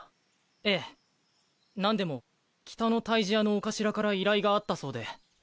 ええなんでも北の退治屋のお頭から依頼があったそうで。